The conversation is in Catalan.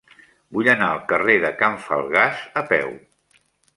Vull anar al carrer de Can Falgàs a peu.